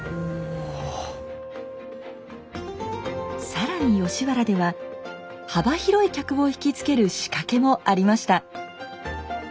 更に吉原では幅広い客を引き付ける仕掛けもありました。